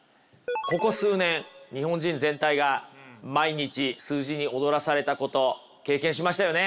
ここ数年日本人全体が毎日数字に踊らされたこと経験しましたよね。